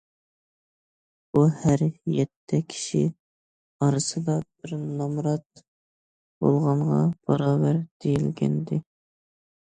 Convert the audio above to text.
بۇ، ھەر يەتتە كىشى ئارىسىدا بىر‹‹ نامرات›› بولغانغا باراۋەر، دېيىلگەنىدى.